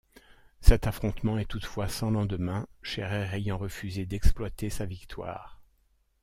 Cet affrontement est toutefois sans lendemain, Schérer ayant refusé d'exploiter sa victoire.